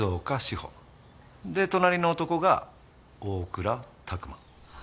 で隣の男が大倉琢磨。